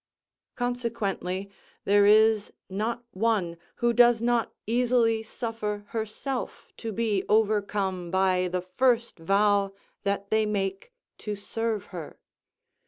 Consequently, there is not one who does not easily suffer herself to be overcome by the first vow that they make to serve her.